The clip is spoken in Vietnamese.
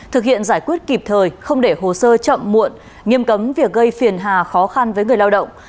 thực hiện giải quyết kịp thời không để hồ sơ chậm muộn nghiêm cấm việc gây phiền hà khó khăn với người lao động